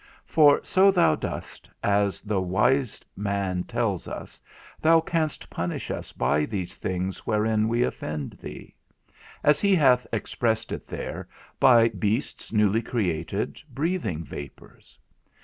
For so thou dost, as the wise man tells us, thou canst punish us by those things wherein we offend thee; as he hath expressed it there, by beasts newly created, breathing vapours.